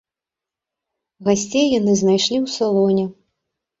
Гасцей яны знайшлі ў салоне.